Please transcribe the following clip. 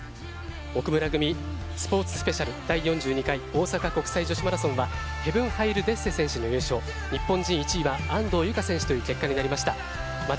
奥村組スポーツスペシャル第４２回大阪国際女子マラソンはヘヴン・ハイル・デッセ選手の優勝日本人１位は安藤友香選手という結果になりました。